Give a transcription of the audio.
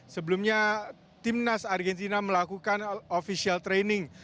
sebelumnya timnas argentina melakukan official training